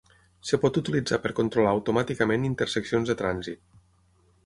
Es pot utilitzar per controlar automàticament interseccions de trànsit.